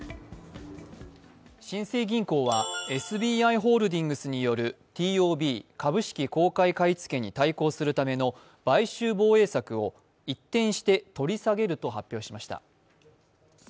新生銀行はＳＢＩホールディングスによるＴＯＢ＝公開買い付けに対抗するための買収防衛策を一転して取り下げると発表しました。